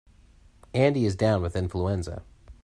Andy is down with influenza.